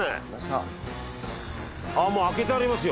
もう開けてありますよ。